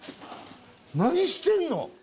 何してんの？